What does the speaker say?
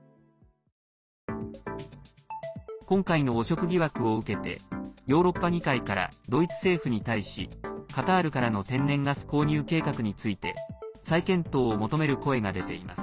今回の汚職疑惑を受けてヨーロッパ議会からドイツ政府に対しカタールからの天然ガス購入計画について再検討を求める声が出ています。